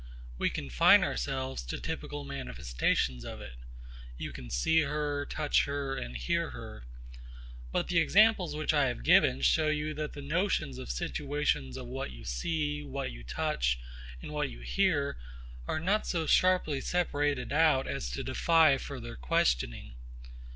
We confine ourselves to typical manifestations of it. You can see her, touch her, and hear her. But the examples which I have given you show that the notions of the situations of what you see, what you touch, and what you hear are not so sharply separated out as to defy further questioning.